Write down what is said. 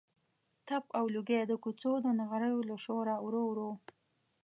تپ او لوګی د کوڅو د نغریو له شوره ورو ورو.